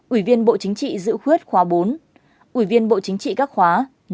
ủy viên bộ chính trị dự khuyết khóa bốn ủy viên bộ chính trị các khóa năm sáu bảy tám